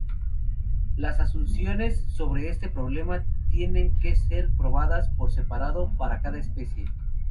Las asunciones sobre este problema tienen que ser probadas por separado para cada especie.